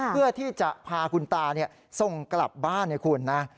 เพื่อที่จะพาคุณตาส่งกลับบ้านให้คุณนะ